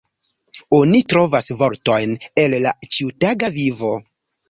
Oni trovas vortojn el la ĉiutaga vivo.